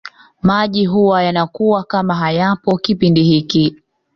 Maji huwa yanakuwa kama hayapo kipindi hiki